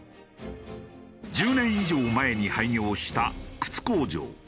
１０年以上前に廃業した靴工場。